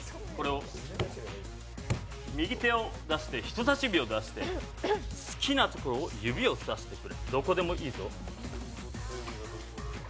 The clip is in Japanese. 右手を出して人さし指を出して好きなところを指さしてくれ、どこでもいいぞ。